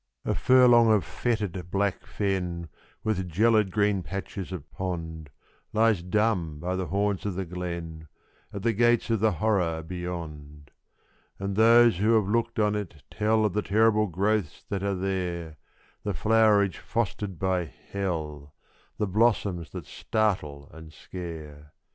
_ A furlong of fetid, black fen, with gelid, green patches of pond, Lies dumb by the horns of the glen at the gates of the horror beyond; And those who have looked on it tell of the terrible growths that are there The flowerage fostered by hell, the blossoms that startle and scare.